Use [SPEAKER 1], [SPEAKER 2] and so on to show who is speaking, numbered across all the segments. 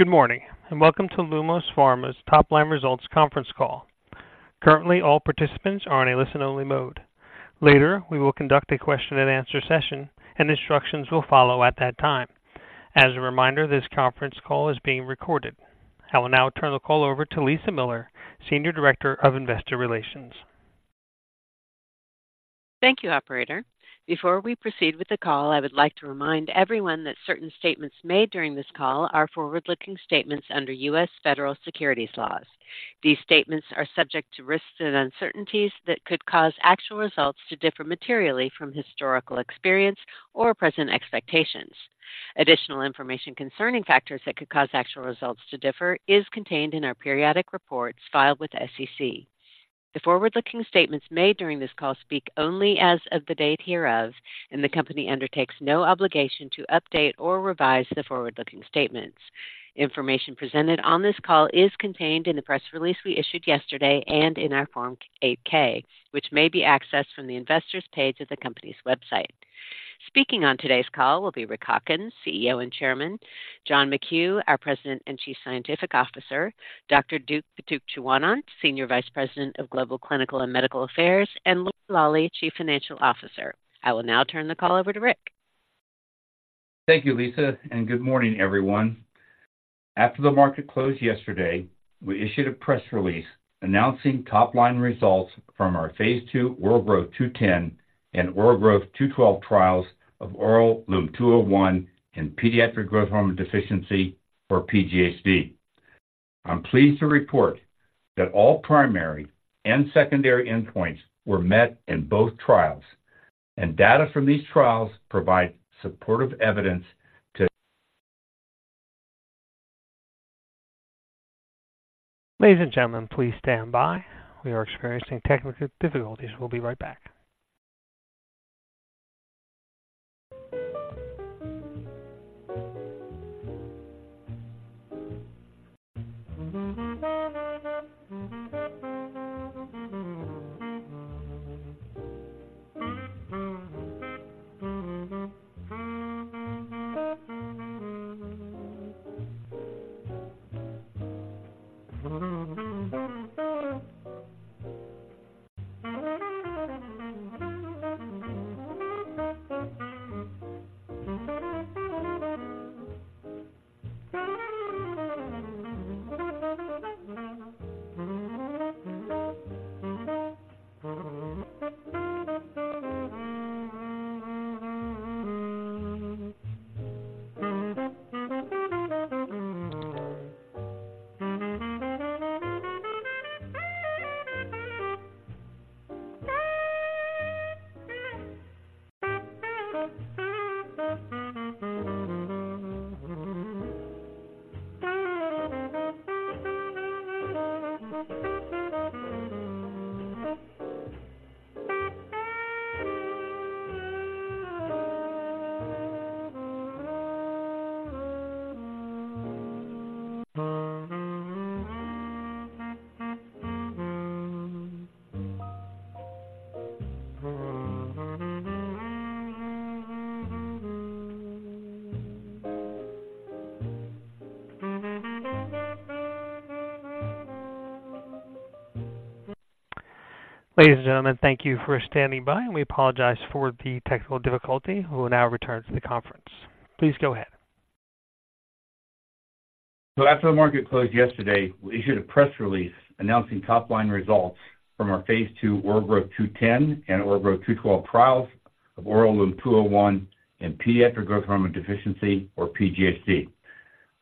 [SPEAKER 1] Good morning, and welcome to Lumos Pharma's Top Line Results conference call. Currently, all participants are in a listen-only mode. Later, we will conduct a question-and-answer session, and instructions will follow at that time. As a reminder, this conference call is being recorded. I will now turn the call over to Lisa Miller, Senior Director of Investor Relations.
[SPEAKER 2] Thank you, operator. Before we proceed with the call, I would like to remind everyone that certain statements made during this call are forward-looking statements under U.S. Federal Securities laws. These statements are subject to risks and uncertainties that could cause actual results to differ materially from historical experience or present expectations. Additional information concerning factors that could cause actual results to differ is contained in our periodic reports filed with SEC. The forward-looking statements made during this call speak only as of the date hereof, and the company undertakes no obligation to update or revise the forward-looking statements. Information presented on this call is contained in the press release we issued yesterday and in our Form 8-K, which may be accessed from the investors page of the company's website. Speaking on today's call will be Rick Hawkins, CEO and Chairman, John McKew, our President and Chief Scientific Officer, Dr. Duke Pitukcheewanont, Senior Vice President of Global Clinical and Medical Affairs, and Lori Lawley, Chief Financial Officer. I will now turn the call over to Rick.
[SPEAKER 3] Thank you, Lisa, and good morning, everyone. After the market closed yesterday, we issued a press release announcing top-line results from our phase II OraGrowtH210 and OraGrowtH212 trials of oral LUM-201 in pediatric growth hormone deficiency, or PGHD. I'm pleased to report that all primary and secondary endpoints were met in both trials, and data from these trials provide supportive evidence to,
[SPEAKER 1] Ladies and gentlemen, please stand by. We are experiencing technical difficulties. We'll be right back. Ladies and gentlemen, thank you for standing by. We apologize for the technical difficulty. We will now return to the conference. Please go ahead.
[SPEAKER 3] So after the market closed yesterday, we issued a press release announcing top-line results from our phase II OraGrowtH210 and OraGrowtH212 trials of oral LUM-201 in pediatric growth hormone deficiency, or PGHD.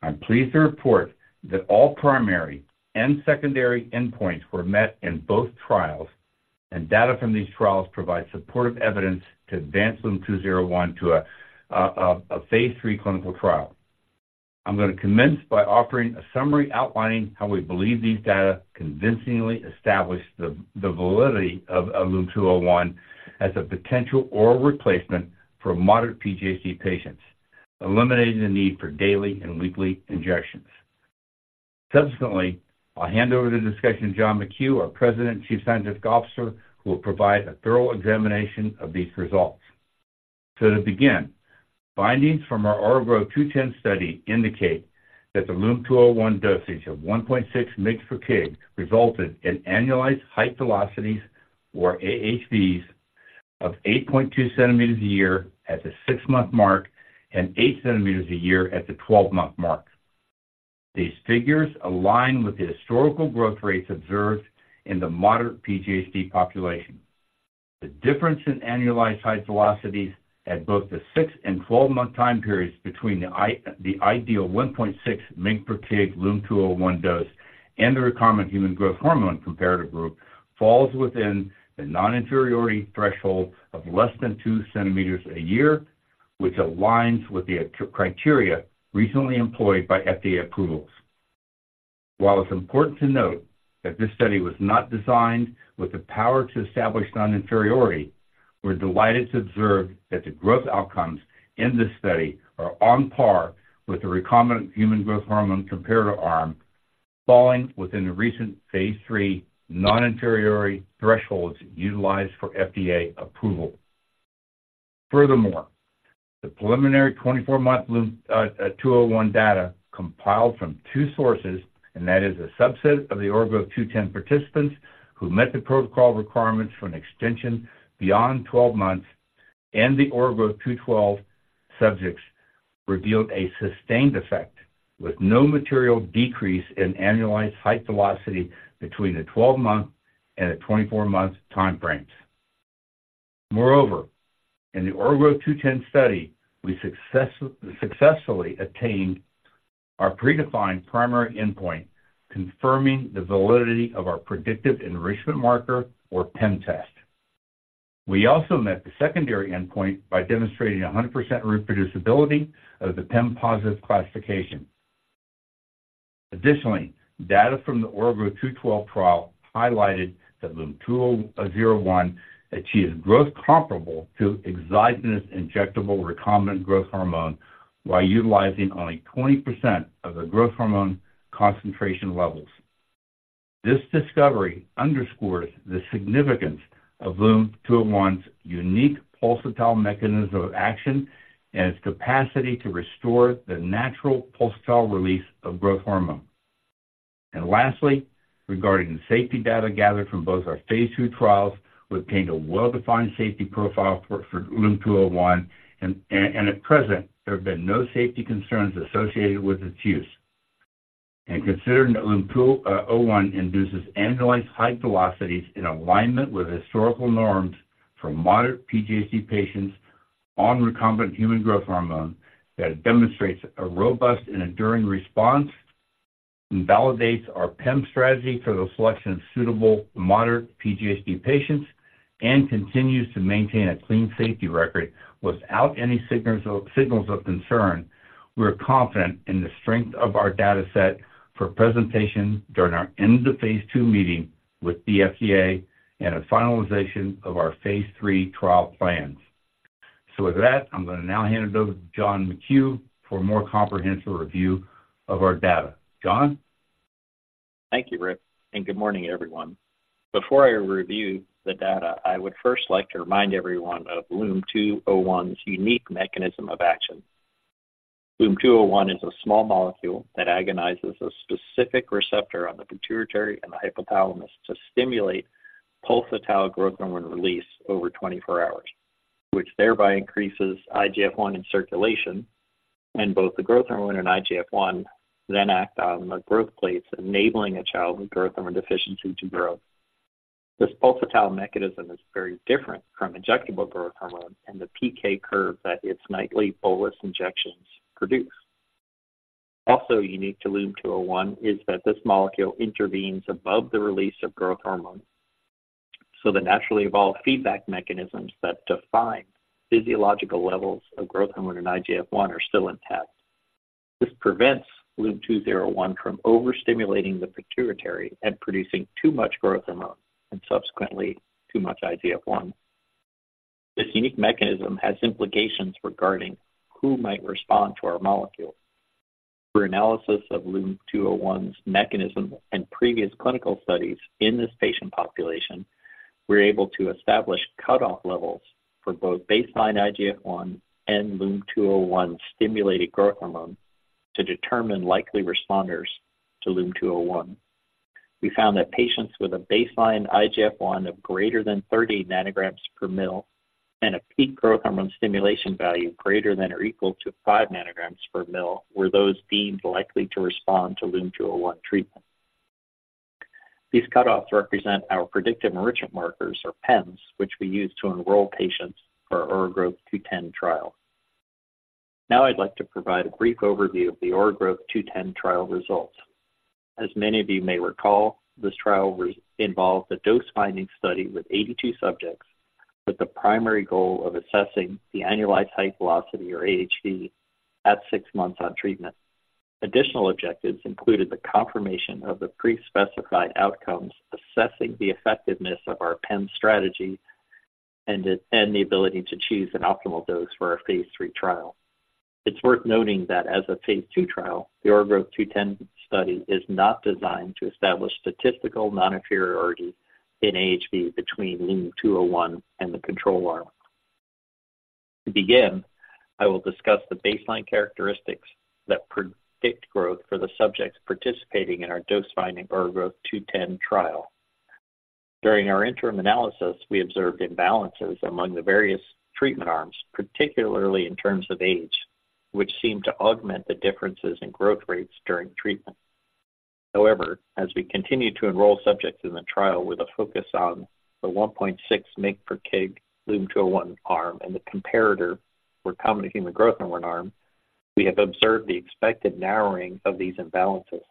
[SPEAKER 3] I'm pleased to report that all primary and secondary endpoints were met in both trials, and data from these trials provide supportive evidence to advance LUM-201 to a phase III clinical trial. I'm going to commence by offering a summary outlining how we believe these data convincingly establish the validity of LUM-201 as a potential oral replacement for moderate PGHD patients, eliminating the need for daily and weekly injections. Subsequently, I'll hand over the discussion to John McKew, our President and Chief Scientific Officer, who will provide a thorough examination of these results. To begin, findings from our OraGrowtH210 study indicate that the LUM-201 dosage of 1.6 mg per kg resulted in annualized height velocities, or AHVs, of 8.2 cm a year at the six-month mark and 8 cm a year at the 12-month mark. These figures align with the historical growth rates observed in the moderate PGHD population. The difference in annualized height velocities at both the six- and 12-month time periods between the ideal 1.6 mg per kg LUM-201 dose and the recombinant human growth hormone comparative group falls within the non-inferiority threshold of less than 2 cm a year, which aligns with the criteria recently employed by FDA approvals. While it's important to note that this study was not designed with the power to establish non-inferiority, we're delighted to observe that the growth outcomes in this study are on par with the recombinant human growth hormone comparator arm, falling within the recent phase III non-inferiority thresholds utilized for FDA approval. Furthermore, the preliminary 24-month LUM-201 data compiled from two sources, and that is a subset of the OraGrowtH210 participants who met the protocol requirements for an extension beyond 12 months, and the OraGrowtH212 subjects revealed a sustained effect with no material decrease in annualized height velocity between the 12-month and the 24-month time frames. Moreover, in the OraGrowtH210 study, we successfully attained our predefined primary endpoint, confirming the validity of our predictive enrichment marker, or PEM test. We also met the secondary endpoint by demonstrating 100% reproducibility of the PEM positive classification. Additionally, data from the OraGrowtH212 trial highlighted that LUM-201 achieved growth comparable to exogenously injectable recombinant growth hormone while utilizing only 20% of the growth hormone concentration levels. This discovery underscores the significance of LUM-201's unique pulsatile mechanism of action and its capacity to restore the natural pulsatile release of growth hormone. And lastly, regarding the safety data gathered from both our phase II trials, we obtained a well-defined safety profile for LUM-201, and at present, there have been no safety concerns associated with its use. Considering that LUM-201 induces annualized height velocities in alignment with historical norms for moderate PGHD patients on recombinant human growth hormone, that demonstrates a robust and enduring response, and validates our PEM strategy for the selection of suitable moderate PGHD patients, and continues to maintain a clean safety record without any signals of concern. We are confident in the strength of our data set for presentation during our end of phase II meeting with the FDA and a finalization of our phase III trial plans. So with that, I'm going to now hand it over to John McKew for a more comprehensive review of our data. John?
[SPEAKER 4] Thank you, Rick, and good morning, everyone. Before I review the data, I would first like to remind everyone of LUM-201's unique mechanism of action. LUM-201 is a small molecule that agonizes a specific receptor on the pituitary and the hypothalamus to stimulate pulsatile growth hormone release over 24 hours, which thereby increases IGF-1 in circulation, and both the growth hormone and IGF-1 then act on the growth plates, enabling a child with growth hormone deficiency to grow. This pulsatile mechanism is very different from injectable growth hormone and the PK curve that its nightly bolus injections produce. Also unique to LUM-201 is that this molecule intervenes above the release of growth hormone, so the naturally evolved feedback mechanisms that define physiological levels of growth hormone and IGF-1 are still intact. This prevents LUM-201 from overstimulating the pituitary and producing too much growth hormone and subsequently, too much IGF-1. This unique mechanism has implications regarding who might respond to our molecule. Through analysis of LUM-201's mechanism and previous clinical studies in this patient population, we're able to establish cutoff levels for both baseline IGF-1 and LUM-201's stimulated growth hormone to determine likely responders to LUM-201. We found that patients with a baseline IGF-1 of greater than 30 nanograms per mL and a peak growth hormone stimulation value greater than or equal to 5 nanograms per mL, were those deemed likely to respond to LUM-201 treatment. These cutoffs represent our predictive enrichment markers, or PEMs, which we used to enroll patients for our OraGrowtH210 trial. Now I'd like to provide a brief overview of the OraGrowtH210 trial results. As many of you may recall, this trial involved a dose-finding study with 82 subjects, with the primary goal of assessing the annualized height velocity, or AHV, at 6 months on treatment. Additional objectives included the confirmation of the pre-specified outcomes, assessing the effectiveness of our PEM strategy, and the ability to choose an optimal dose for our phase III trial. It's worth noting that as a phase II trial, the OraGrowtH210 study is not designed to establish statistical non-inferiority in AHV between LUM-201 and the control arm. To begin, I will discuss the baseline characteristics that predict growth for the subjects participating in our dose-finding OraGrowtH210 trial. During our interim analysis, we observed imbalances among the various treatment arms, particularly in terms of age, which seemed to augment the differences in growth rates during treatment. However, as we continued to enroll subjects in the trial with a focus on the 1.6 mg/kg LUM-201 arm and the comparator for recombinant human growth hormone arm, we have observed the expected narrowing of these imbalances.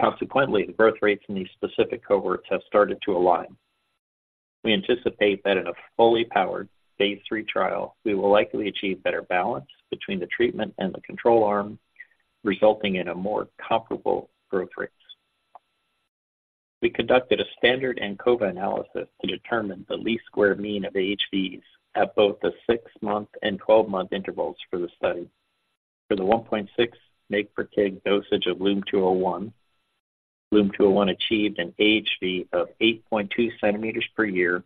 [SPEAKER 4] Consequently, the growth rates in these specific cohorts have started to align. We anticipate that in a fully powered phase III trial, we will likely achieve better balance between the treatment and the control arm, resulting in a more comparable growth rate. We conducted a standard ANCOVA analysis to determine the least square mean of AHVs at both the 6-month and 12-month intervals for the study. For the 1.6 mg per kg dosage of LUM-201 achieved an AHV of 8.2 cm per year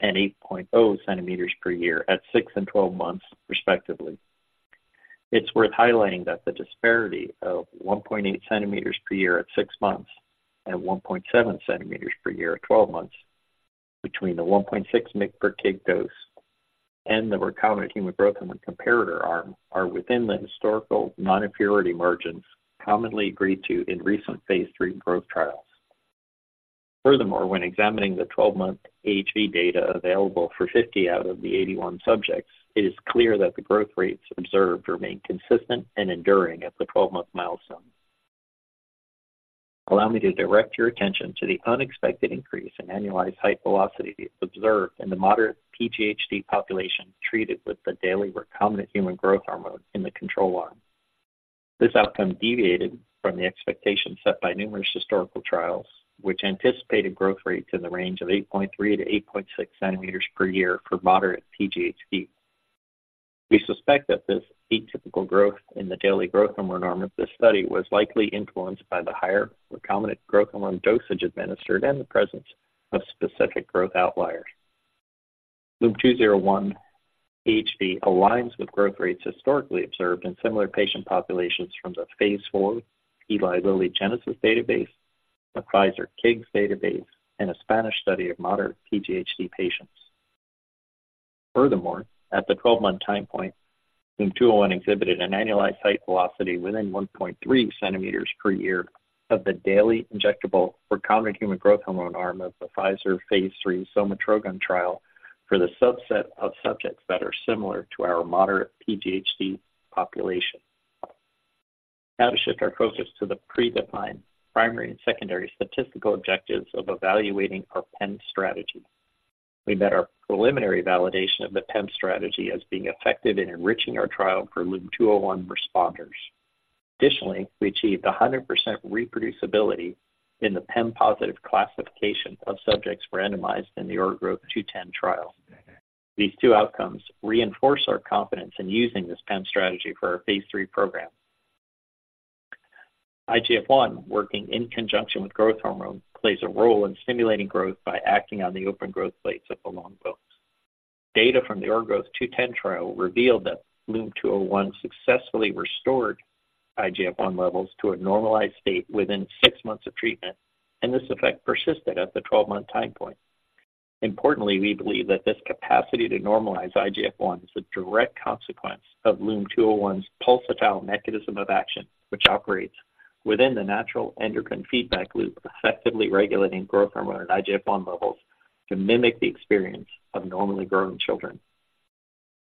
[SPEAKER 4] and 8.0 cm per year at 6 and 12 months, respectively. It's worth highlighting that the disparity of 1.8 cm per year at 6 months and 1.7 cm per year at 12 months between the 1.6 mg per kg dose and the recombinant human growth hormone comparator arm are within the historical non-inferiority margins commonly agreed to in recent phase III growth trials. Furthermore, when examining the 12-month AHV data available for 50 out of the 81 subjects, it is clear that the growth rates observed remain consistent and enduring at the 12-month milestone. Allow me to direct your attention to the unexpected increase in annualized height velocity observed in the moderate PGHD population treated with the daily recombinant human growth hormone in the control arm. This outcome deviated from the expectations set by numerous historical trials, which anticipated growth rates in the range of 8.3 cm-8.6 cm per year for moderate PGHD. We suspect that this atypical growth in the daily growth hormone arm of this study was likely influenced by the higher recombinant growth hormone dosage administered and the presence of specific growth outliers. LUM-201 AHV aligns with growth rates historically observed in similar patient populations from the phase IV Eli Lilly Genesis database, the Pfizer KIGS database, and a Spanish study of moderate PGHD patients. Furthermore, at the 12-month time point, LUM-201 exhibited an annualized height velocity within 1.3 cm per year of the daily injectable recombinant human growth hormone arm of the Pfizer phase III Somatropin trial for the subset of subjects that are similar to our moderate PGHD population. Now to shift our focus to the predefined primary and secondary statistical objectives of evaluating our PEM strategy. We met our preliminary validation of the PEM strategy as being effective in enriching our trial for LUM-201 responders. Additionally, we achieved 100% reproducibility in the PEM-positive classification of subjects randomized in the OraGrowtH210 trial. These two outcomes reinforce our confidence in using this PEM strategy for our phase III program. IGF-1, working in conjunction with growth hormone, plays a role in stimulating growth by acting on the open growth plates of the long bones. Data from the OraGrowtH210 trial revealed that LUM-201 successfully restored IGF-1 levels to a normalized state within 6 months of treatment, and this effect persisted at the 12-month time point. Importantly, we believe that this capacity to normalize IGF-1 is a direct consequence of LUM-201's pulsatile mechanism of action, which operates within the natural endocrine feedback loop, effectively regulating growth hormone and IGF-1 levels to mimic the experience of normally growing children.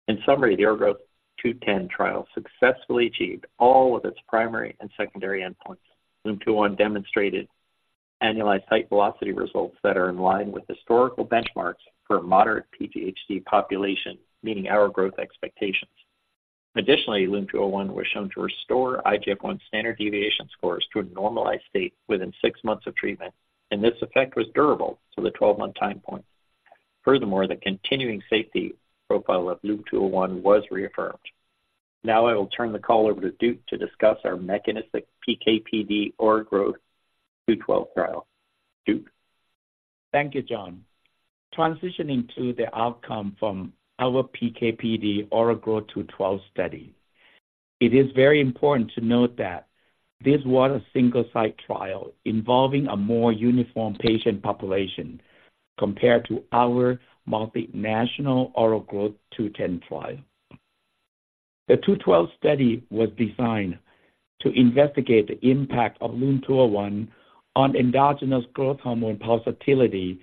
[SPEAKER 4] In summary, the OraGrowtH210 trial successfully achieved all of its primary and secondary endpoints. LUM-201 demonstrated annualized height velocity results that are in line with historical benchmarks for a moderate PGHD population, meeting our growth expectations. Additionally, LUM-201 was shown to restore IGF-1 standard deviation scores to a normalized state within 6 months of treatment, and this effect was durable to the 12-month time point. Furthermore, the continuing safety profile of LUM-201 was reaffirmed. Now I will turn the call over to Duke to discuss our mechanistic PK/PD OraGrowtH212 trial. Duke?
[SPEAKER 5] Thank you, John. Transitioning to the outcome from our PK/PD OraGrowtH212 study. It is very important to note that this was a single-site trial involving a more uniform patient population compared to our multinational OraGrowtH210 trial. The OraGrowtH212 study was designed to investigate the impact of LUM-201 on endogenous growth hormone pulsatility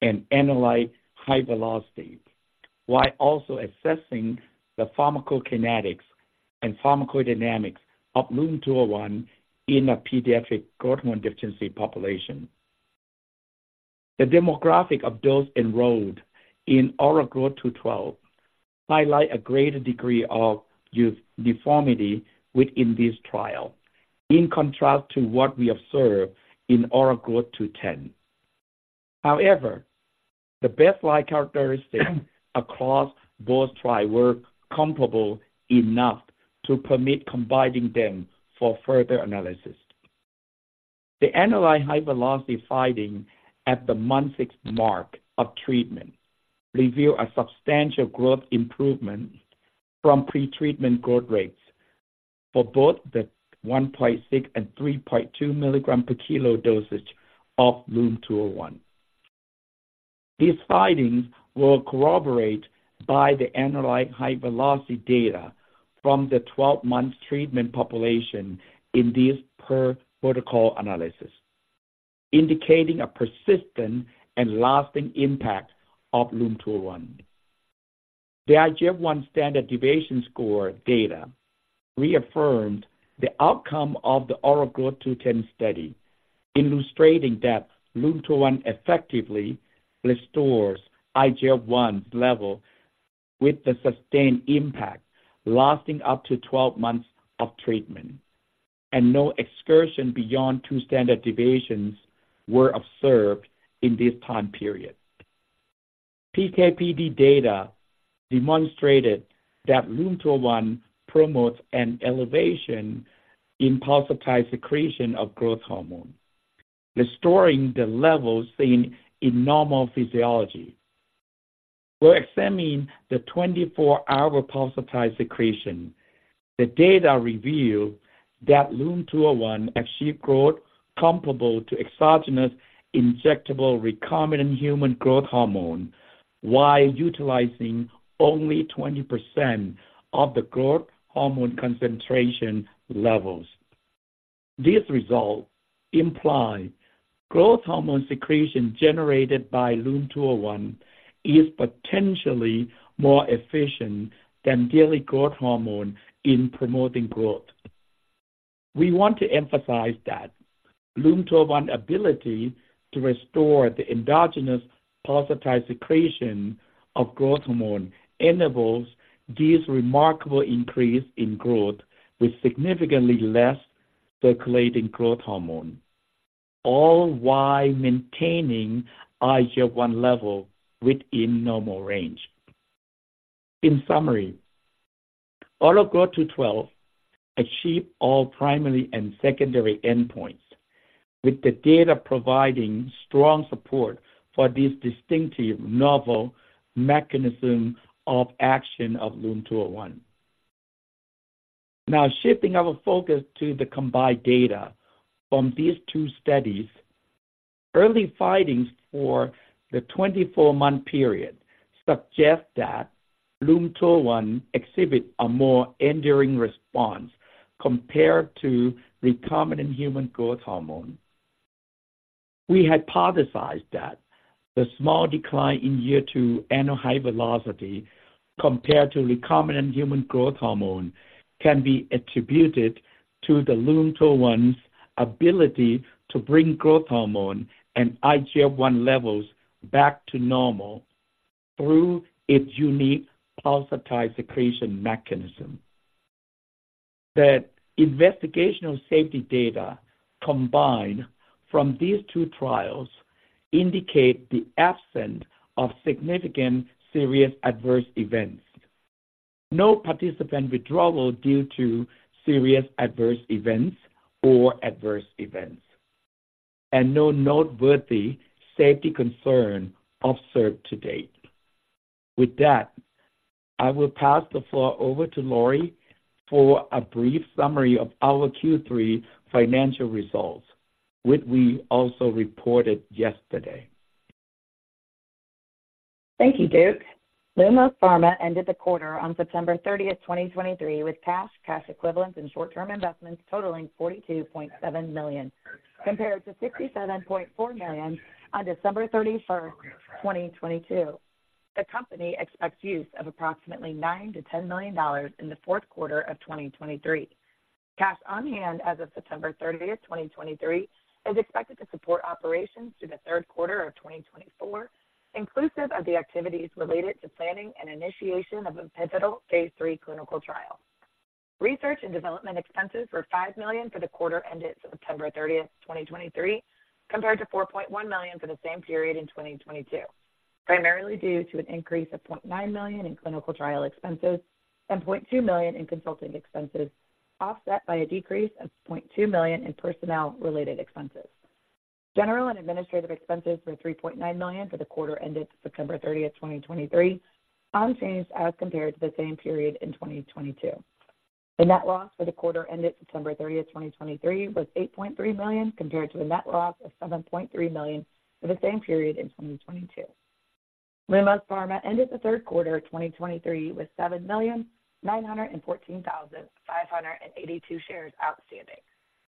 [SPEAKER 5] and analyze height velocity, while also assessing the pharmacokinetics and pharmacodynamics of LUM-201 in a pediatric growth hormone deficiency population. The demographic of those enrolled in OraGrowtH212 highlight a greater degree of youth deformity within this trial, in contrast to what we observed in OraGrowtH210. However, the baseline characteristics across both trials were comparable enough to permit combining them for further analysis. The analyzed height velocity finding at the month 6 mark of treatment revealed a substantial growth improvement from pretreatment growth rates for both the 1.6 and 3.2 mg/kg dosage of LUM-201. These findings were corroborated by the analyzed height velocity data from the 12-month treatment population in this per-protocol analysis, indicating a persistent and lasting impact of LUM-201. The IGF-1 standard deviation score data reaffirmed the outcome of the OraGrowtH210 study, illustrating that LUM-201 effectively restores IGF-1 level with a sustained impact lasting up to 12 months of treatment, and no excursion beyond 2 standard deviations were observed in this time period. PK/PD data demonstrated that LUM-201 promotes an elevation in pulsatile secretion of growth hormone, restoring the levels seen in normal physiology. We're examining the 24-hour pulsatile secretion. The data reveal that LUM-201 achieved growth comparable to exogenous injectable recombinant human growth hormone, while utilizing only 20% of the growth hormone concentration levels. These results imply growth hormone secretion generated by LUM-201 is potentially more efficient than daily growth hormone in promoting growth. We want to emphasize that LUM-201's ability to restore the endogenous pulsatile secretion of growth hormone enables this remarkable increase in growth with significantly less circulating growth hormone, all while maintaining IGF-1 level within normal range. In summary, OraGrowtH212 achieved all primary and secondary endpoints, with the data providing strong support for this distinctive novel mechanism of action of LUM-201. Now shifting our focus to the combined data from these two studies, early findings for the 24-month period suggest that LUM-201 exhibits a more enduring response compared to recombinant human growth hormone. We hypothesized that the small decline in year two annualized height velocity compared to recombinant human growth hormone can be attributed to the LUM-201's ability to bring growth hormone and IGF-1 levels back to normal through its unique pulsatile secretion mechanism. The investigational safety data combined from these two trials indicate the absence of significant serious adverse events. No participant withdrawal due to serious adverse events or adverse events, and no noteworthy safety concern observed to date. With that, I will pass the floor over to Lori for a brief summary of our Q3 financial results, which we also reported yesterday.
[SPEAKER 6] Thank you, Duke. Lumos Pharma ended the quarter on September 30, 2023, with cash, cash equivalents, and short-term investments totaling $42.7 million, compared to $57.4 million on December 31, 2022. The company expects use of approximately $9-$10 million in the fourth quarter of 2023. Cash on hand as of September 30, 2023, is expected to support operations through the third quarter of 2024, inclusive of the activities related to planning and initiation of a pivotal phase III clinical trial. Research and development expenses were $5 million for the quarter ended September 30, 2023, compared to $4.1 million for the same period in 2022, primarily due to an increase of $0.9 million in clinical trial expenses and $0.2 million in consulting expenses, offset by a decrease of $0.2 million in personnel-related expenses. General and administrative expenses were $3.9 million for the quarter ended September 30, 2023, unchanged as compared to the same period in 2022. The net loss for the quarter ended September 30, 2023, was $8.3 million, compared to a net loss of $7.3 million for the same period in 2022. Lumos Pharma ended the third quarter of 2023 with 7,914,582 shares outstanding.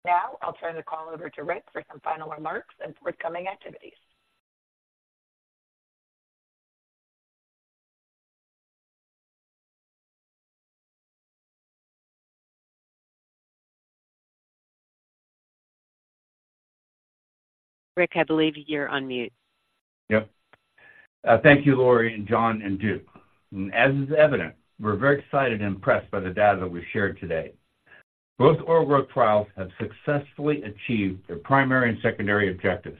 [SPEAKER 6] Now I'll turn the call over to Rick for some final remarks and forthcoming activities. Rick, I believe you're on mute.
[SPEAKER 3] Yep. Thank you, Lori and John, and Duke. As is evident, we're very excited and impressed by the data that we've shared today. Both OraGrowtH trials have successfully achieved their primary and secondary objectives.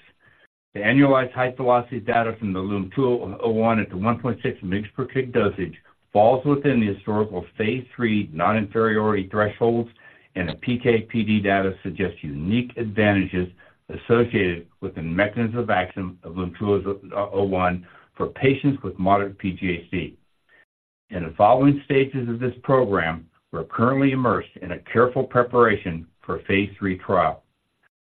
[SPEAKER 3] The annualized height velocity data from the LUM-201 at the 1.6 mg per kg dosage falls within the historical phase III non-inferiority thresholds, and the PK/PD data suggests unique advantages associated with the mechanism of action of LUM-201 for patients with moderate PGHD. In the following stages of this program, we're currently immersed in a careful preparation for phase III trial.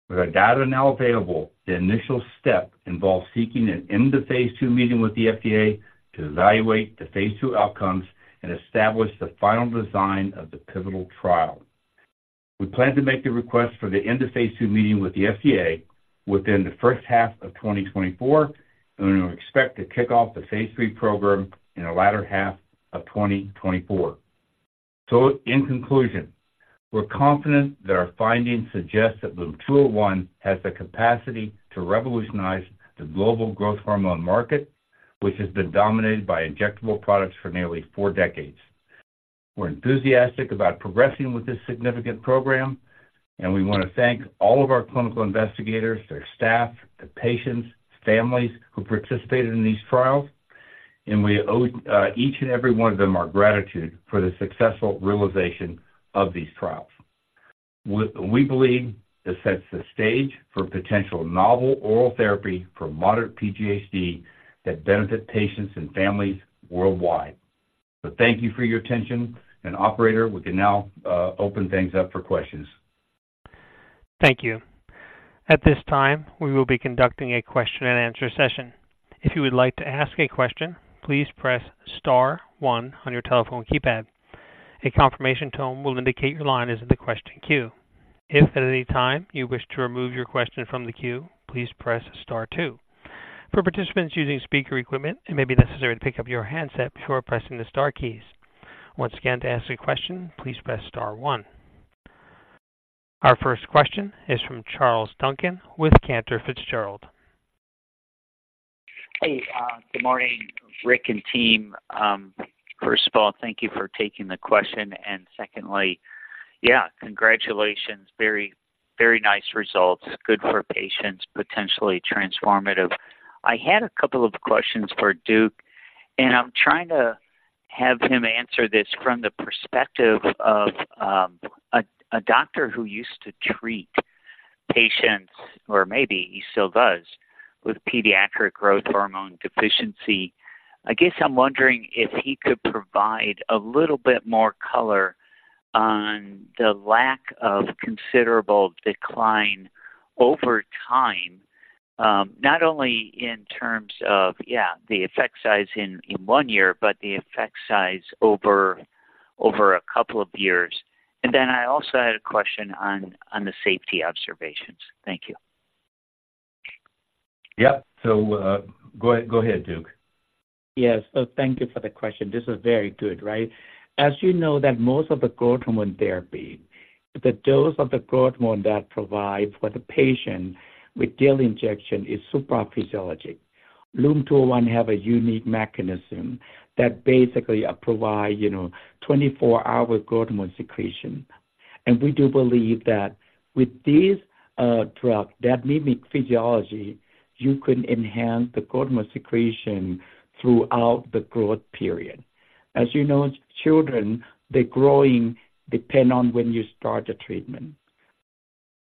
[SPEAKER 3] With our data now available, the initial step involves seeking an end-of-phase II meeting with the FDA to evaluate the phase II outcomes and establish the final design of the pivotal trial. We plan to make the request for the end-of-phase II meeting with the FDA within the first half of 2024, and we expect to kick off the phase III program in the latter half of 2024. So in conclusion, we're confident that our findings suggest that LUM-201 has the capacity to revolutionize the global growth hormone market, which has been dominated by injectable products for nearly four decades. We're enthusiastic about progressing with this significant program, and we want to thank all of our clinical investigators, their staff, the patients, families who participated in these trials, and we owe each and every one of them our gratitude for the successful realization of these trials. We believe this sets the stage for potential novel oral therapy for moderate PGHD that benefit patients and families worldwide. Thank you for your attention, and operator, we can now open things up for questions.
[SPEAKER 1] Thank you. At this time, we will be conducting a question-and-answer session. If you would like to ask a question, please press star one on your telephone keypad. A confirmation tone will indicate your line is in the question queue. If at any time you wish to remove your question from the queue, please press star two. For participants using speaker equipment, it may be necessary to pick up your handset before pressing the star keys. Once again, to ask a question, please press star one. Our first question is from Charles Duncan with Cantor Fitzgerald.
[SPEAKER 7] Hey, good morning, Rick and team. First of all, thank you for taking the question, and secondly, yeah, congratulations. Very, very nice results. Good for patients, potentially transformative. I had a couple of questions for Duke, and I'm trying to have him answer this from the perspective of a doctor who used to treat patients, or maybe he still does, with pediatric growth hormone deficiency. I guess I'm wondering if he could provide a little bit more color on the lack of considerable decline over time, not only in terms of, yeah, the effect size in one year, but the effect size over a couple of years. And then I also had a question on the safety observations. Thank you.
[SPEAKER 3] Yep. So, go ahead, Duke.
[SPEAKER 5] Yes. So thank you for the question. This is very good, right? As you know, that most of the growth hormone therapy, the dose of the growth hormone that provide for the patient with daily injection is supraphysiologic. LUM-201 have a unique mechanism that basically, provide, you know, 24-hour growth hormone secretion. And we do believe that with this, drug that mimic physiology, you can enhance the growth hormone secretion throughout the growth period. As you know, children, they growing, depend on when you start the treatment.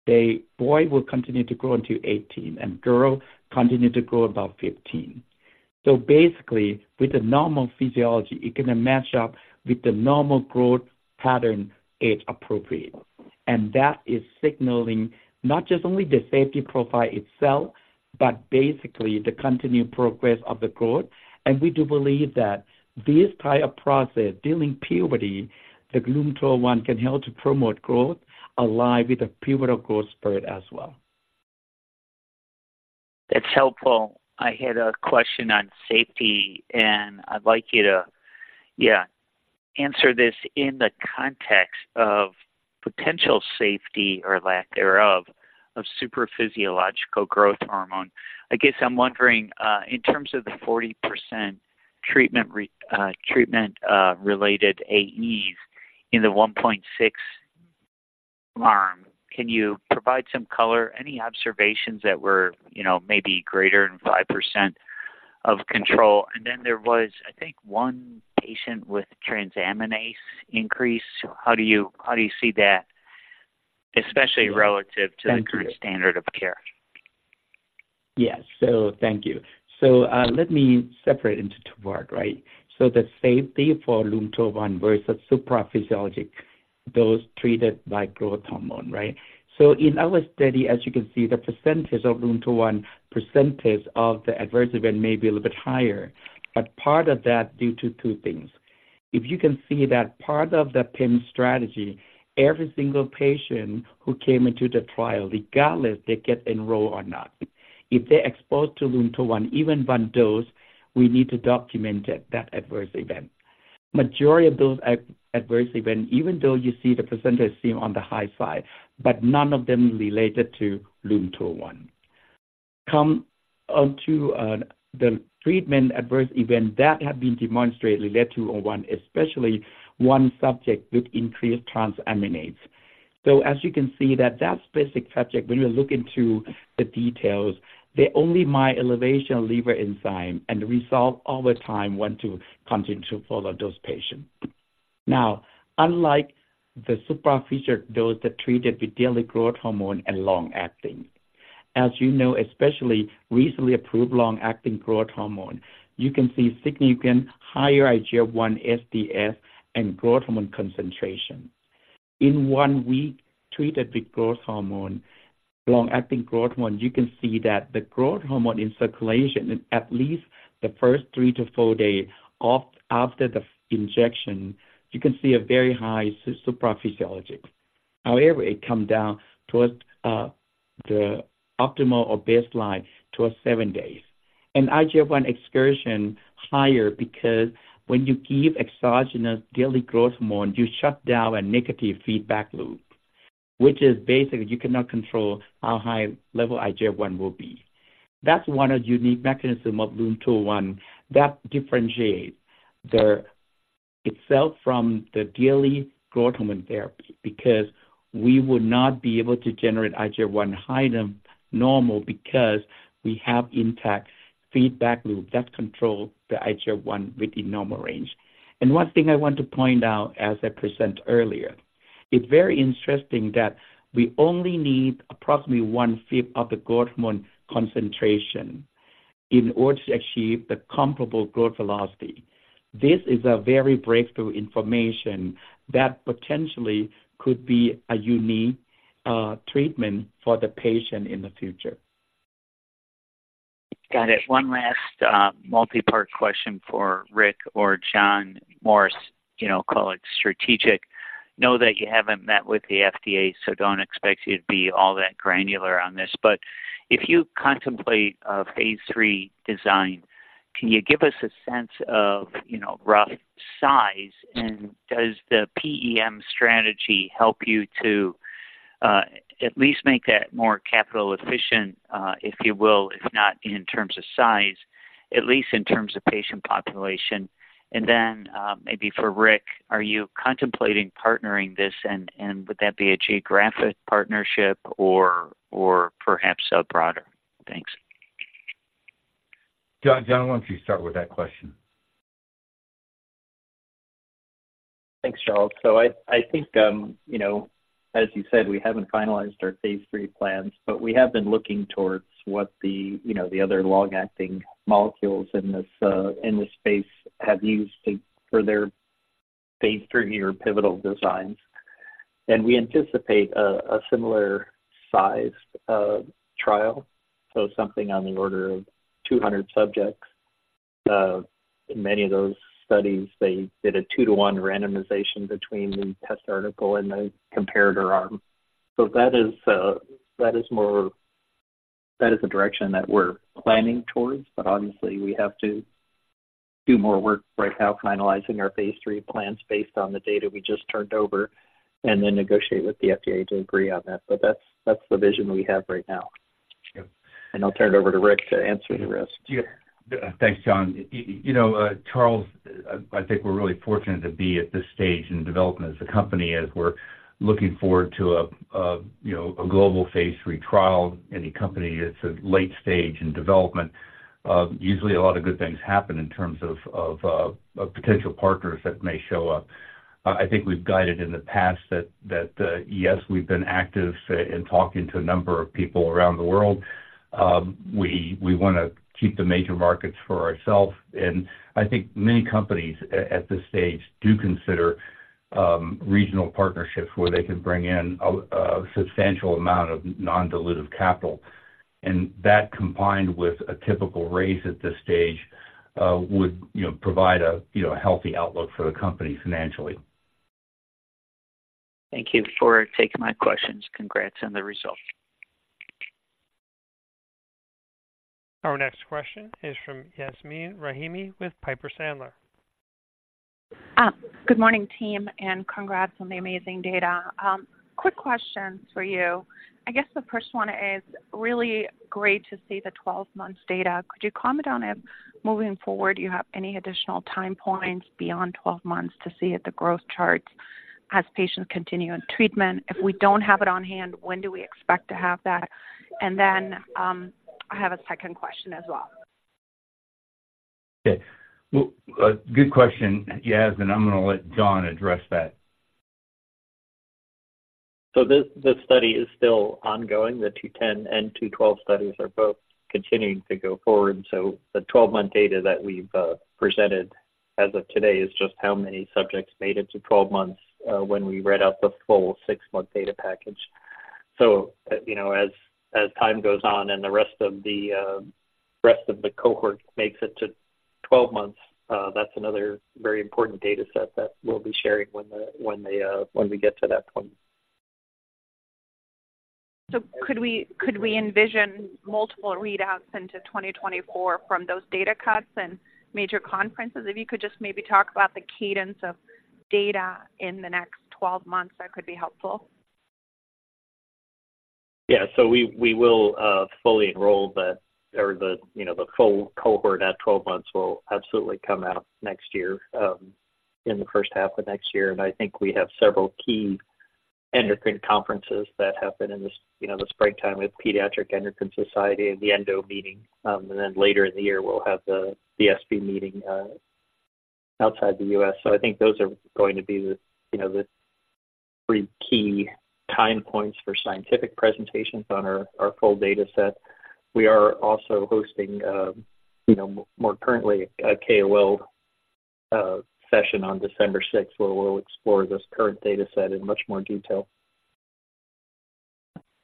[SPEAKER 5] The boy will continue to grow until 18, and girl continue to grow about 15. So basically, with the normal physiology, it going to match up with the normal growth pattern age appropriate. And that is signaling not just only the safety profile itself, but basically the continued progress of the growth. We do believe that this type of process, during puberty, the LUM-201 can help to promote growth along with the puberty growth spurt as well.
[SPEAKER 7] That's helpful. I had a question on safety, and I'd like you to, yeah, answer this in the context of potential safety or lack thereof, of super physiological growth hormone. I guess I'm wondering, in terms of the 40% treatment related AEs in the 1.6 arm, can you provide some color, any observations that were, you know, maybe greater than 5% of control? And then there was, I think, one patient with transaminase increase. How do you see that, especially relative to the current standard of care?
[SPEAKER 5] Yes. So thank you. So, let me separate into two part, right? So the safety for LUM-201 versus supraphysiologic, those treated by growth hormone, right? So in our study, as you can see, the percentage of LUM-201, percentage of the adverse event may be a little bit higher, but part of that due to two things. If you can see that part of the PEM strategy, every single patient who came into the trial, regardless they get enrolled or not, if they're exposed to LUM-201, even one dose, we need to document it, that adverse event. Majority of those adverse event, even though you see the percentage seem on the high side, but none of them related to LUM-201. Come on to the treatment adverse event that have been demonstrated related to LUM-201, especially one subject with increased transaminase. So as you can see that, that specific subject, when you look into the details, they only mild elevation liver enzyme and resolve over time when to continue to follow those patients. Now, unlike the supraphysiologic dose that treated with daily growth hormone and long-acting, as you know, especially recently approved long-acting growth hormone, you can see significant higher IGF-1 SDS and growth hormone concentration. In one week, treated with growth hormone, long-acting growth hormone, you can see that the growth hormone in circulation in at least the first three to four days after the injection, you can see a very high supraphysiologic. However, it come down towards, the optimal or baseline towards seven days. And IGF-1 excursion higher because when you give exogenous daily growth hormone, you shut down a negative feedback loop which is basically you cannot control how high level IGF-1 will be. That's one of the unique mechanism of LUM-201 that differentiates itself from the daily growth hormone therapy, because we would not be able to generate IGF-1 higher than normal, because we have intact feedback loop that controls the IGF-1 within normal range. One thing I want to point out as I present earlier, it's very interesting that we only need approximately one-fifth of the growth hormone concentration in order to achieve the comparable growth velocity. This is a very breakthrough information that potentially could be a unique treatment for the patient in the future.
[SPEAKER 7] Got it. One last multi-part question for Rick or John McKew. You know, call it strategic. Know that you haven't met with the FDA, so don't expect you to be all that granular on this. But if you contemplate a phase III design, can you give us a sense of, you know, rough size? And does the PEM strategy help you to at least make that more capital efficient, if you will, if not in terms of size, at least in terms of patient population? And then maybe for Rick, are you contemplating partnering this, and would that be a geographic partnership or perhaps broader? Thanks.
[SPEAKER 3] John. John, why don't you start with that question?
[SPEAKER 4] Thanks, Charles. So I think, you know, as you said, we haven't finalized our phase III plans, but we have been looking towards what the, you know, the other long-acting molecules in this space have used for their phase III or pivotal designs. And we anticipate a similar size trial, so something on the order of 200 subjects. In many of those studies, they did a 2-1 randomization between the test article and the comparator arm. So that is the direction that we're planning towards. But obviously, we have to do more work right now, finalizing our phase III plans based on the data we just turned over and then negotiate with the FDA to agree on that. But that's the vision we have right now.
[SPEAKER 7] Sure.
[SPEAKER 4] I'll turn it over to Rick to answer the rest.
[SPEAKER 3] Yeah. Thanks, John. You know, Charles, I think we're really fortunate to be at this stage in development as a company, as we're looking forward to a global phase III trial. Any company that's a late stage in development usually a lot of good things happen in terms of potential partners that may show up. I think we've guided in the past that yes, we've been active in talking to a number of people around the world. We wanna keep the major markets for ourselves, and I think many companies at this stage do consider regional partnerships where they can bring in a substantial amount of non-dilutive capital. That, combined with a typical raise at this stage, would, you know, provide a, you know, a healthy outlook for the company financially.
[SPEAKER 7] Thank you for taking my questions. Congrats on the results.
[SPEAKER 1] Our next question is from Yasmeen Rahimi with Piper Sandler.
[SPEAKER 8] Good morning, team, and congrats on the amazing data. Quick questions for you. I guess the first one is really great to see the 12 months data. Could you comment on, if moving forward, you have any additional time points beyond 12 months to see if the growth charts as patients continue on treatment? If we don't have it on hand, when do we expect to have that? And then, I have a second question as well.
[SPEAKER 3] Okay. Well, good question, Yasmin. I'm gonna let John address that.
[SPEAKER 4] So this, this study is still ongoing. The 210 and 212 studies are both continuing to go forward. So the 12-month data that we've presented as of today is just how many subjects made it to 12 months when we read out the full 6-month data package. So, you know, as time goes on and the rest of the cohort makes it to 12 months, that's another very important data set that we'll be sharing when we get to that point.
[SPEAKER 8] Could we, could we envision multiple readouts into 2024 from those data cuts and major conferences? If you could just maybe talk about the cadence of data in the next 12 months, that could be helpful.
[SPEAKER 4] Yeah. So we, we will fully enroll or the, you know, the full cohort at 12 months will absolutely come out next year, in the first half of next year. And I think we have several key endocrine conferences that happen in this, you know, the springtime with Pediatric Endocrine Society and the Endo meeting. And then later in the year, we'll have the ESPE meeting, outside the U.S.. So I think those are going to be the, you know, the three key time points for scientific presentations on our, our full data set. We are also hosting, you know, more currently, a KOL, session on December sixth, where we'll explore this current data set in much more detail.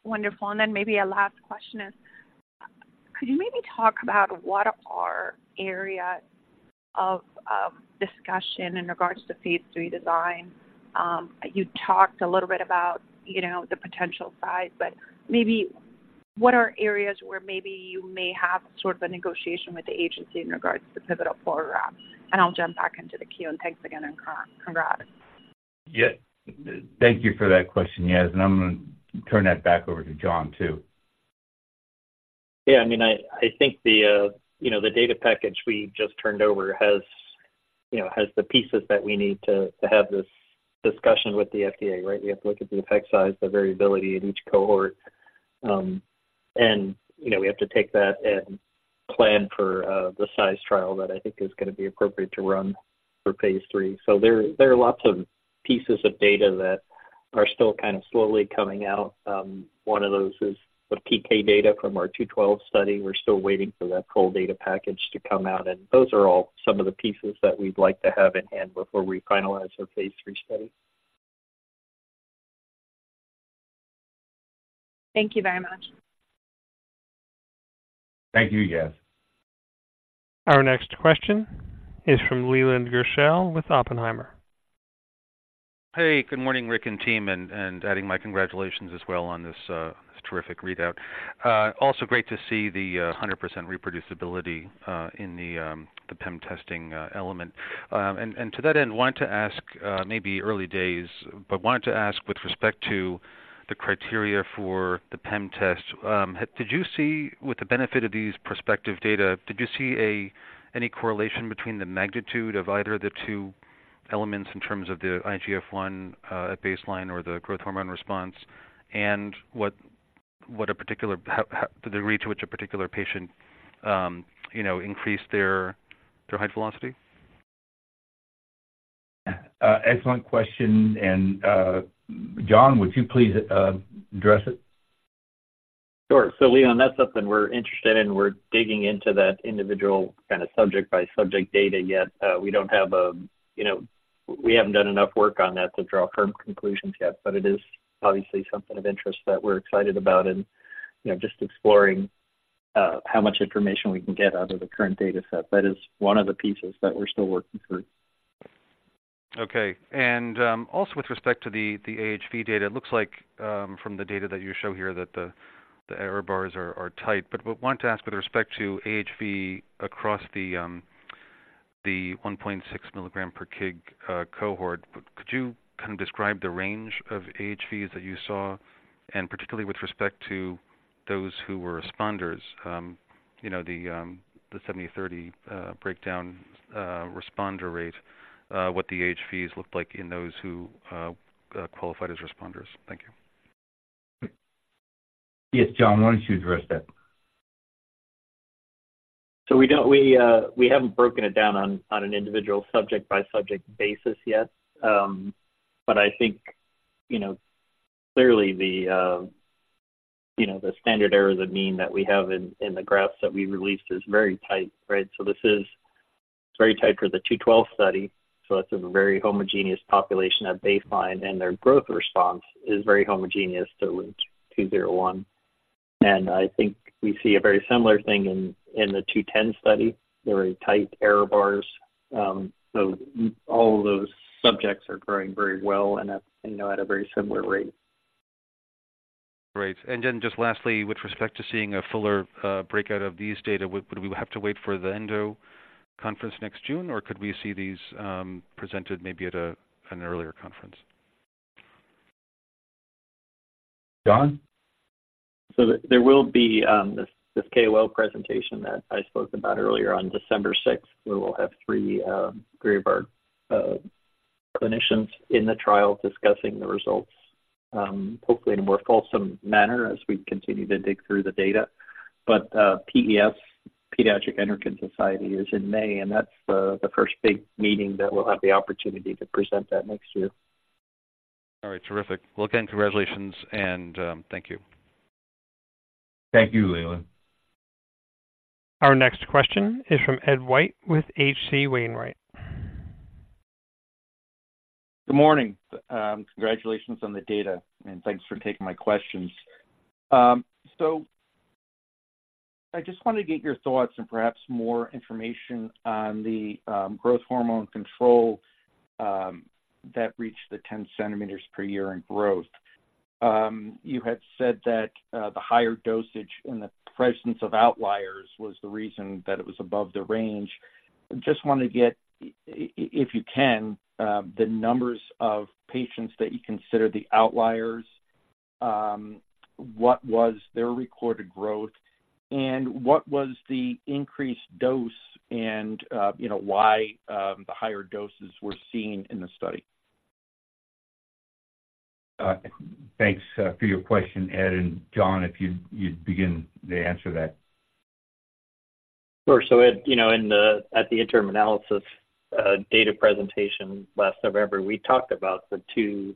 [SPEAKER 8] Wonderful. And then maybe a last question is, could you maybe talk about what are areas of, discussion in regards to phase III design? You talked a little bit about, you know, the potential size, but maybe what are areas where maybe you may have sort of a negotiation with the agency in regards to the pivotal program? And I'll jump back into the queue, and thanks again, and congrats.
[SPEAKER 3] Yeah. Thank you for that question, Yas, and I'm going to turn that back over to John, too.
[SPEAKER 4] Yeah, I mean, I think the, you know, the data package we just turned over has, you know, has the pieces that we need to, to have this discussion with the FDA, right? We have to look at the effect size, the variability in each cohort, and, you know, we have to take that and plan for, the size trial that I think is going to be appropriate to run for phase III. So there are lots of pieces of data that are still kind of slowly coming out. One of those is the PK data from our 212 study. We're still waiting for that full data package to come out, and those are all some of the pieces that we'd like to have in hand before we finalize our phase III study.
[SPEAKER 8] Thank you very much.
[SPEAKER 3] Thank you, Yas.
[SPEAKER 1] Our next question is from Leland Gershell with Oppenheimer.
[SPEAKER 9] Hey, good morning, Rick and team, and adding my congratulations as well on this terrific readout. Also great to see the 100% reproducibility in the PEM testing element. And to that end, wanted to ask, maybe early days, but wanted to ask with respect to the criteria for the PEM test, did you see with the benefit of these prospective data, did you see any correlation between the magnitude of either of the two elements in terms of the IGF-1 at baseline or the growth hormone response and what a particular, how the degree to which a particular patient you know increased their height velocity?
[SPEAKER 3] Excellent question, and John, would you please address it?
[SPEAKER 4] Sure. So, Leland, that's something we're interested in. We're digging into that individual kind of subject-by-subject data yet. We don't have a, you know, we haven't done enough work on that to draw firm conclusions yet, but it is obviously something of interest that we're excited about and, you know, just exploring how much information we can get out of the current data set. That is one of the pieces that we're still working through.
[SPEAKER 9] Okay. And also with respect to the AHV data, it looks like from the data that you show here, that the error bars are tight. But wanted to ask with respect to AHV across the 1.6 milligram per kg cohort, could you kind of describe the range of AHVs that you saw, and particularly with respect to those who were responders, you know, the 70/30 breakdown, responder rate, what the AHVs looked like in those who qualified as responders? Thank you.
[SPEAKER 3] Yes, John, why don't you address that?
[SPEAKER 4] So we don't, we, we haven't broken it down on, on an individual subject-by-subject basis yet. But I think, you know, clearly the, you know, the standard error of the mean that we have in, in the graphs that we released is very tight, right? So this is very tight for the 212 study, so that's a very homogeneous population at baseline, and their growth response is very homogeneous to 201. And I think we see a very similar thing in, in the 210 study, very tight error bars. So all of those subjects are growing very well and at, you know, at a very similar rate.
[SPEAKER 9] Great. And then just lastly, with respect to seeing a fuller breakout of these data, would we have to wait for the Endo conference next June, or could we see these presented maybe at an earlier conference?
[SPEAKER 3] John?
[SPEAKER 4] So there will be this KOL presentation that I spoke about earlier on December sixth, where we'll have three of our clinicians in the trial discussing the results, hopefully in a more fulsome manner as we continue to dig through the data. But PES, Pediatric Endocrine Society, is in May, and that's the first big meeting that we'll have the opportunity to present that next year.
[SPEAKER 9] All right. Terrific. Well, again, congratulations and, thank you.
[SPEAKER 3] Thank you, Leland.
[SPEAKER 1] Our next question is from Ed White with H.C. Wainwright.
[SPEAKER 10] Good morning. Congratulations on the data, and thanks for taking my questions. So I just wanted to get your thoughts and perhaps more information on the growth hormone control that reached the 10 cm per year in growth. You had said that the higher dosage and the presence of outliers was the reason that it was above the range. Just wanted to get, if you can, the numbers of patients that you consider the outliers, what was their recorded growth, and what was the increased dose and, you know why the higher doses were seen in the study?
[SPEAKER 3] Thanks for your question Ed, and John, if you'd begin to answer that.
[SPEAKER 4] Sure. So Ed, you know, at the interim analysis data presentation last November, we talked about the two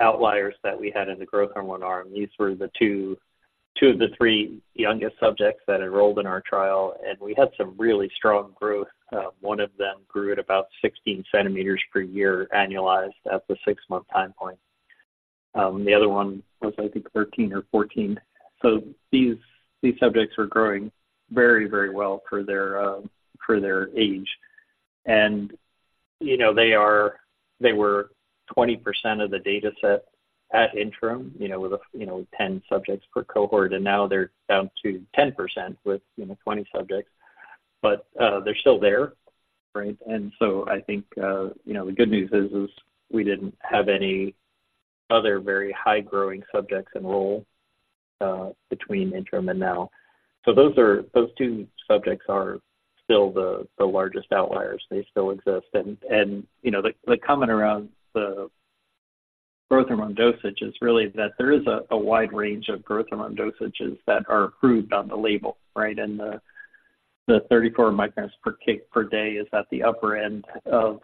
[SPEAKER 4] outliers that we had in the growth hormone arm. These were two of the three youngest subjects that enrolled in our trial, and we had some really strong growth. One of them grew at about 16 cm per year, annualized at the six-month time point. The other one was, I think, 13 or 14. So these subjects are growing very, very well for their age. And, you know, they were 20% of the data set at interim, you know, with 10 subjects per cohort, and now they're down to 10% with 20 subjects. But they're still there, right? And so I think, you know, the good news is, is we didn't have any other very high-growing subjects enroll between interim and now. So those are those two subjects are still the, the largest outliers. They still exist. And, and, you know, the, the comment around the growth hormone dosage is really that there is a, a wide range of growth hormone dosages that are approved on the label, right? And the, the 34 micrograms per kg per day is at the upper end of,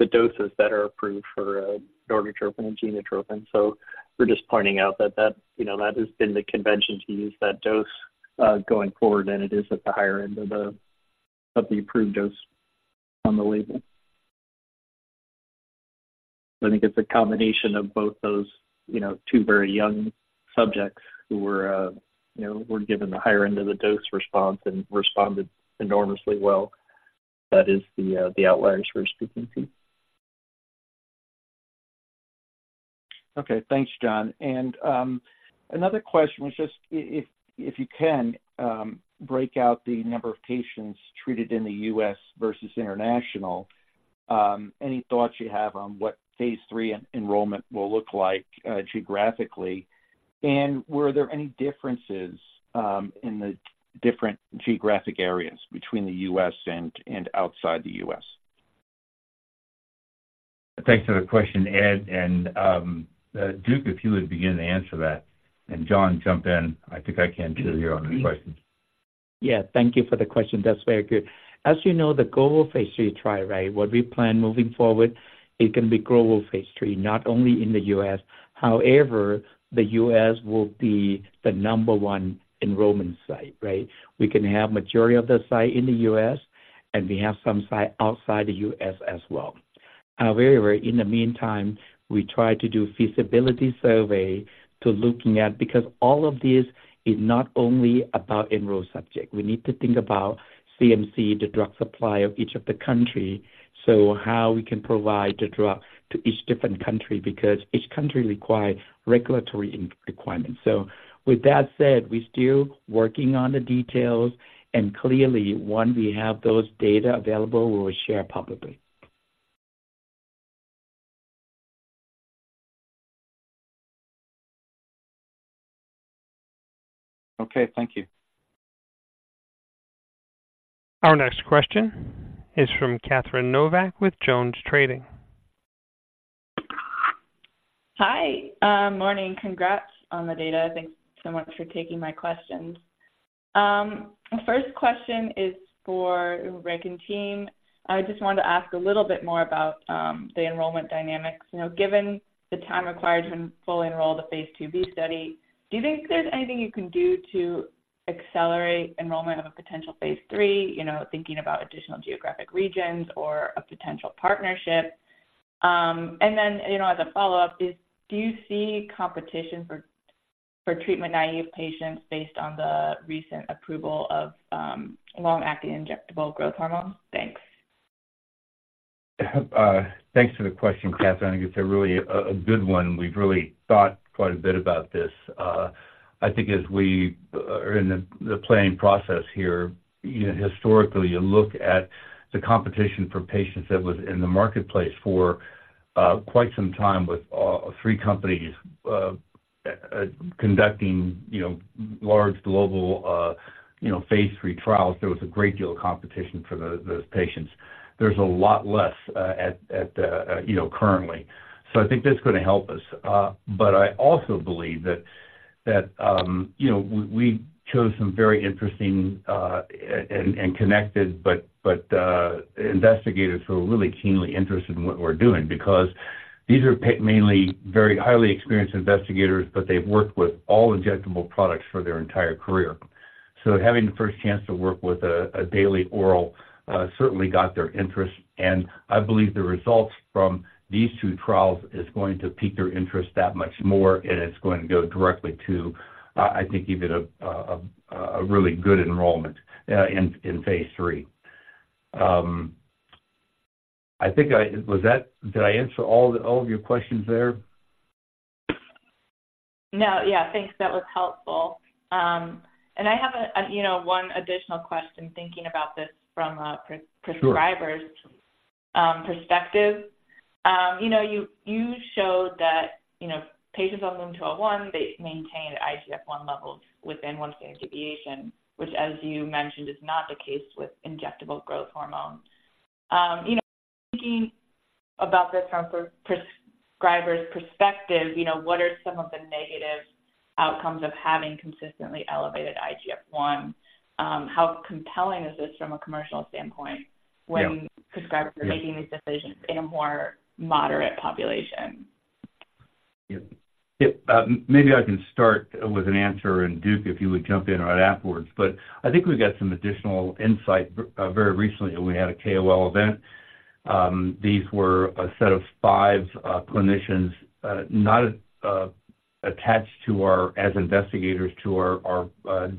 [SPEAKER 4] the doses that are approved for, Norditropin and Genotropin. So we're just pointing out that that, you know, that has been the convention to use that dose, going forward, and it is at the higher end of the, of the approved dose on the label. I think it's a combination of both those, you know, two very young subjects who were, you know, were given the higher end of the dose response and responded enormously well. That is the outliers we're speaking to.
[SPEAKER 10] Okay, thanks, John. And another question was just if you can break out the number of patients treated in the U.S. versus international, any thoughts you have on what phase III enrollment will look like, geographically? And were there any differences in the different geographic areas between the U.S. and outside the U.S.?
[SPEAKER 3] Thanks for the question Ed. Duke, if you would begin to answer that, and John, jump in. I think I can hear you on this question.
[SPEAKER 5] Yeah, thank you for the question. That's very good. As you know, the global phase III trial, right? What we plan moving forward, it can be global phase III, not only in the U.S.. However, the U.S. will be the number 1 enrollment site, right? We can have majority of the site in the U.S., and we have some site outside the U.S. as well. However, in the meantime, we try to do feasibility survey to looking at. Because all of this is not only about enroll subject. We need to think about CMC, the drug supply of each of the country, so how we can provide the drug to each different country, because each country require regulatory in-requirements. So with that said, we're still working on the details, and clearly, once we have those data available, we will share publicly.
[SPEAKER 10] Okay, thank you.
[SPEAKER 1] Our next question is from Catherine Novack with Jones Trading.
[SPEAKER 11] Hi, morning. Congrats on the data. Thanks so much for taking my questions. First question is for Rick and team. I just wanted to ask a little bit more about the enrollment dynamics. You know, given the time required to fully enroll the phase 2B study, do you think there's anything you can do to accelerate enrollment of a potential phase III, you know, thinking about additional geographic regions or a potential partnership? And then, you know, as a follow-up is, do you see competition for treatment-naive patients based on the recent approval of long-acting injectable growth hormone? Thanks.
[SPEAKER 3] Thanks for the question Catherine. I think it's a really good one. We've really thought quite a bit about this. I think as we are in the planning process here, you know, historically, you look at the competition for patients that was in the marketplace for quite some time with three companies conducting, you know, large global, you know, phase III trials. There was a great deal of competition for those patients. There's a lot less at, you know, currently. So I think that's going to help us. But I also believe that you know, we chose some very interesting and connected, but investigators who are really keenly interested in what we're doing because these are mainly very highly experienced investigators, but they've worked with all injectable products for their entire career. So having the first chance to work with a daily oral certainly got their interest, and I believe the results from these two trials is going to pique their interest that much more, and it's going to go directly to I think even a really good enrollment in phase III. I think Did I answer all of your questions there?
[SPEAKER 11] No. Yeah, thanks. That was helpful. I have a, you know, one additional question, thinking about this from a,
[SPEAKER 3] Sure.
[SPEAKER 11] Prescribers' perspective. You know, you, you showed that, you know, patients on LUM-201, they maintain IGF-1 levels within one standard deviation, which, as you mentioned, is not the case with injectable growth hormone. You know, thinking about this from a prescriber's perspective, you know, what are some of the negative outcomes of having consistently elevated IGF-1? How compelling is this from a commercial standpoint?
[SPEAKER 3] Yeah
[SPEAKER 11] when prescribers are making these decisions in a more moderate population?
[SPEAKER 3] Yeah. Yeah, maybe I can start with an answer, and Duke, if you would jump in right afterwards. But I think we've got some additional insight. Very recently, we had a KOL event. These were a set of five clinicians, not attached to our, as investigators to our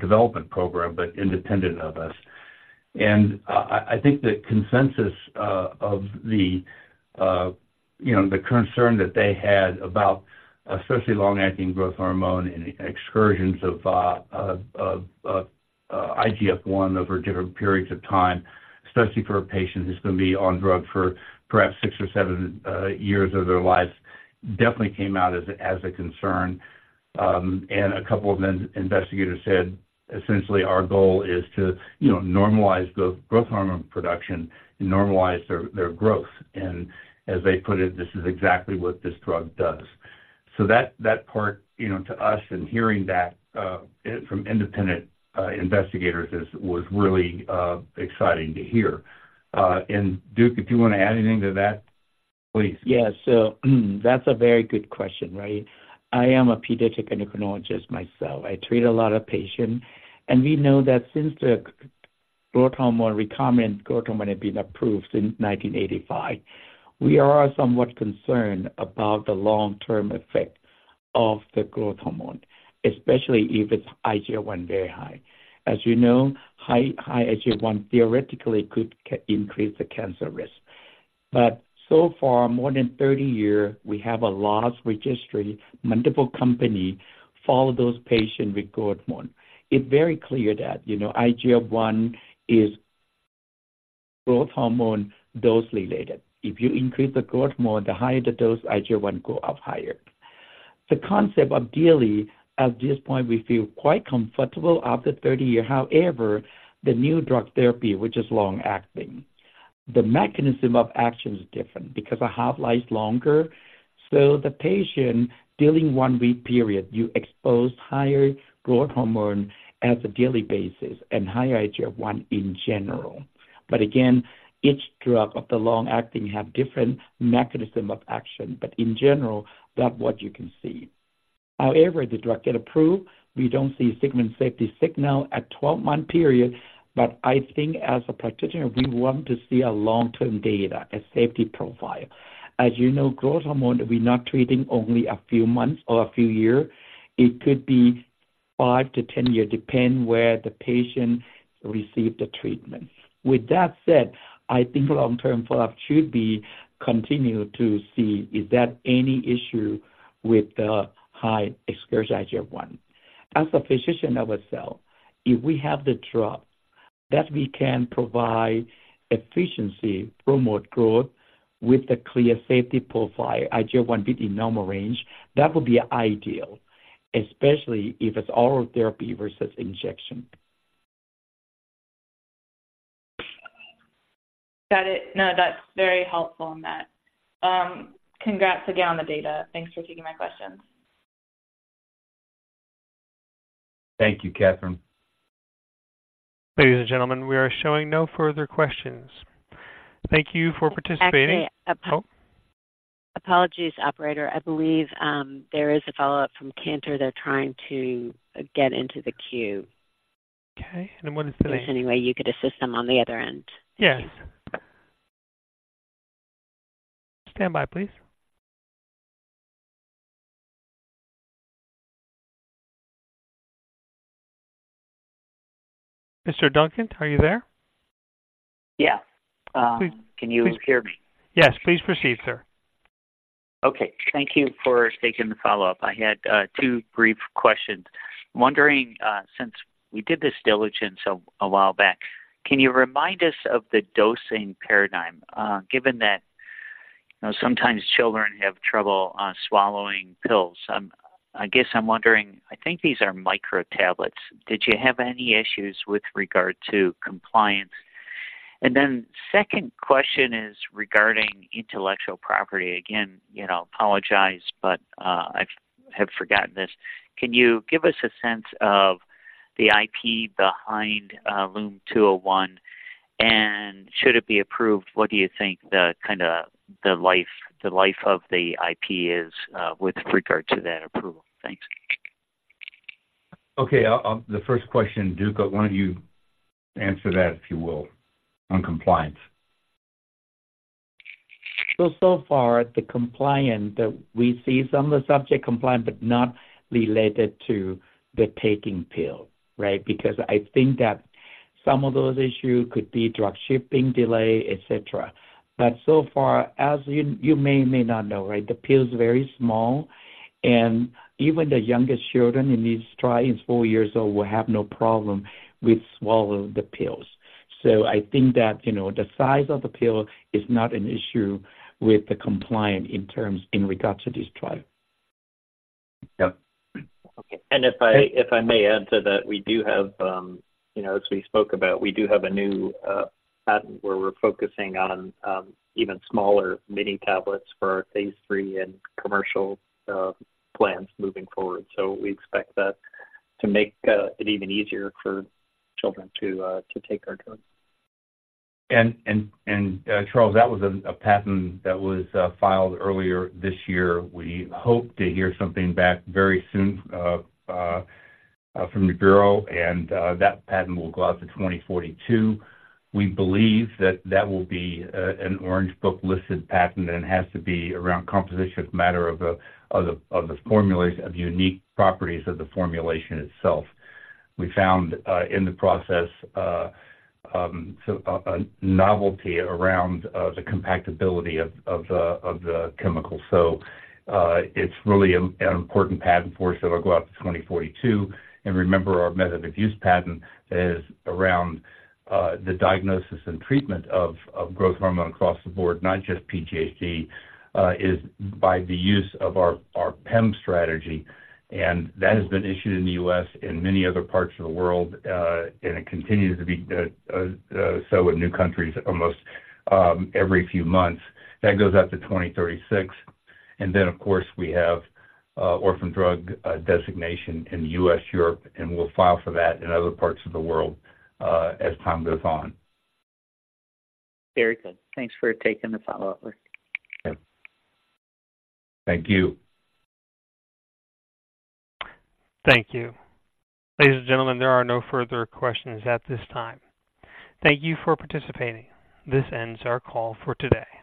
[SPEAKER 3] development program, but independent of us. And I think the consensus of the, you know, the concern that they had about especially long-acting growth hormone and excursions of IGF-1 over different periods of time, especially for a patient who's going to be on drug for perhaps six or seven years of their lives, definitely came out as a concern. And a couple of investigators said, essentially, our goal is to normalize the growth hormone production and normalize their growth. As they put it, this is exactly what this drug does. That, that part, you know, to us, and hearing that from independent investigators is, was really exciting to hear. Duke, if you want to add anything to that, please.
[SPEAKER 5] Yeah. So, that's a very good question, right? I am a pediatric endocrinologist myself. I treat a lot of patients, and we know that since the growth hormone, recombinant growth hormone, have been approved since 1985, we are somewhat concerned about the long-term effect of the growth hormone, especially if it's IGF-1 very high. As you know, high, high IGF-1 theoretically could increase the cancer risk, but so far, more than 30 years, we have a large registry. Multiple companies follow those patients with growth hormone. It's very clear that, you know, IGF-1 is growth hormone dose-related. If you increase the growth hormone, the higher the dose, IGF-1 go up higher. The concept, ideally, at this point, we feel quite comfortable after 30 years. However, the new drug therapy, which is long-acting, the mechanism of action is different because the half-life longer. So the patient, during one week period, you expose higher growth hormone as a daily basis and higher IGF-1 in general. But again, each drug of the long-acting have different mechanism of action. But in general, that what you can see. However, the drug get approved, we don't see signal, safety signal at 12-month period, but I think as a practitioner, we want to see a long-term data, a safety profile. As you know, growth hormone, we're not treating only a few months or a few years. It could be 5-10 years, depend where the patient received the treatment. With that said, I think long-term follow-up should be continued to see is there any issue with the high excursion IGF-1. As a physician ourselves, if we have the drug that we can provide efficacy, promote growth with a clear safety profile, IGF-1 be in normal range, that would be ideal, especially if it's oral therapy versus injection.
[SPEAKER 11] Got it. No, that's very helpful in that. Congrats again on the data. Thanks for taking my questions.
[SPEAKER 3] Thank you, Catherine.
[SPEAKER 1] Ladies and gentlemen, we are showing no further questions. Thank you for participating.
[SPEAKER 2] Actually,
[SPEAKER 1] Oh.
[SPEAKER 2] Apologies, operator. I believe, there is a follow-up from Cantor. They're trying to get into the queue.
[SPEAKER 1] Okay. What is the name?
[SPEAKER 2] Is there any way you could assist them on the other end?
[SPEAKER 1] Yes. Stand by, please. Mr. Duncan, are you there?
[SPEAKER 7] Yeah.
[SPEAKER 1] Please-
[SPEAKER 7] Can you hear me?
[SPEAKER 1] Yes, please proceed, sir.
[SPEAKER 7] Okay. Thank you for taking the follow-up. I had two brief questions. Wondering, since we did this diligence a while back, can you remind us of the dosing paradigm? Given that, you know, sometimes children have trouble swallowing pills, I guess I'm wondering, I think these are micro tablets. Did you have any issues with regard to compliance? And then second question is regarding intellectual property. Again, you know, apologize, but I've forgotten this. Can you give us a sense of the IP behind LUM-201? And should it be approved, what do you think the kind of life of the IP is with regard to that approval? Thanks.
[SPEAKER 3] Okay, the first question, Duke, why don't you answer that, if you will, on compliance?
[SPEAKER 5] So far, the compliance, we see some of the subject compliance, but not related to the taking pill, right? Because I think that some of those issues could be drug shipping delay, etcetera. But so far, as you may not know, right, the pill is very small, and even the youngest children in this trial, four years old, will have no problem with swallowing the pills. So I think that, you know, the size of the pill is not an issue with the compliance in terms in regards to this trial.
[SPEAKER 7] Yep.
[SPEAKER 4] Okay. And if I, if I may add to that, we do have, you know, as we spoke about, we do have a new patent where we're focusing on even smaller mini tablets for our phase III and commercial plans moving forward. So we expect that to make it even easier for children to take our drugs.
[SPEAKER 3] Charles, that was a patent that was filed earlier this year. We hope to hear something back very soon from the Bureau, and that patent will go out to 2042. We believe that that will be an Orange Book listed patent and has to be around composition of matter of the formulation, of unique properties of the formulation itself. We found in the process so a novelty around the compactability of the chemical. So it's really an important patent for us that will go out to 2042. And remember, our method of use patent is around the diagnosis and treatment of growth hormone across the board, not just PGHD, is by the use of our PEM strategy. That has been issued in the U.S. and many other parts of the world, and it continues to be so in new countries almost every few months. That goes out to 2036. And then, of course, we have orphan drug designation in the U.S., Europe, and we'll file for that in other parts of the world, as time goes on.
[SPEAKER 7] Very good. Thanks for taking the follow-up.
[SPEAKER 3] Okay. Thank you.
[SPEAKER 1] Thank you. Ladies and gentlemen, there are no further questions at this time. Thank you for participating. This ends our call for today.